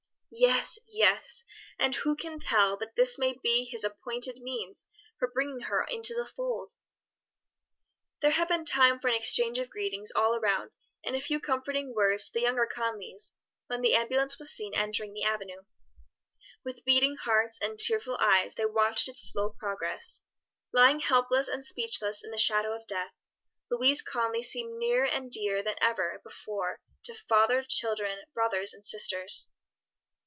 '" "Yes, yes; and who can tell but this may be His appointed means for bringing her into the fold!" There had been time for an exchange of greetings all around and a few comforting words to the younger Conlys, when the ambulance was seen entering the avenue. With beating hearts and tearful eyes they watched its slow progress. Lying helpless and speechless in the shadow of death, Louise Conly seemed nearer and dearer than ever before to father, children, brothers and sisters.